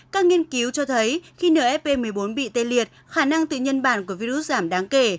các nghiên cứu cho thấy khi nfp một mươi bốn bị tê liệt khả năng tự nhân bản của virus giảm đáng kể